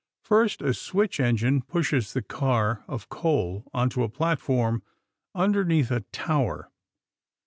First a switch engine pushes the car of coal onto a platform underneath a tower.